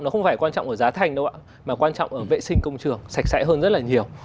nó không phải quan trọng ở giá thành đâu ạ mà quan trọng ở vệ sinh công trường sạch sẽ hơn rất là nhiều